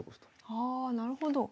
あなるほど。